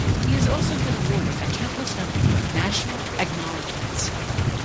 He has also been awarded a countless number of national acknowledgements.